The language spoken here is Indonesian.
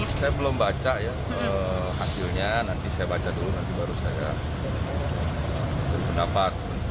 saya belum baca ya hasilnya nanti saya baca dulu nanti baru saya berpendapat